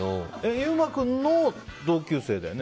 優馬君の同級生だよね？